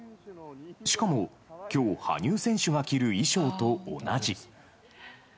しかも、きょう、羽生選手が着る衣装と同じ。